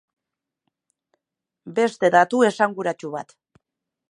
Beste datu esanguratsu bat.